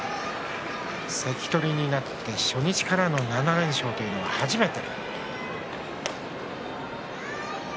関取になって初日からの７連勝というのは初めて。